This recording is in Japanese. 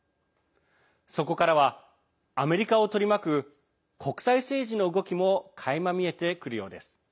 そこからは、アメリカを取り巻く国際政治の動きもかいま見えてくるようです。